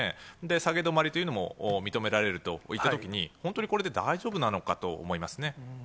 下げ止まりというのも認められるといったときに、本当にこれで大丈夫なのかと思いますね。